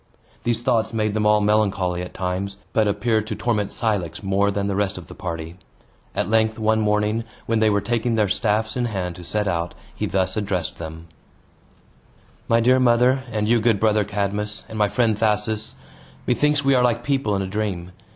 These thoughts made them all melancholy at times, but appeared to torment Cilix more than the rest of the party. At length, one morning, when they were taking their staffs in hand to set out, he thus addressed them: "My dear mother, and you, good brother Cadmus, and my friend Thasus, methinks we are like people in a dream.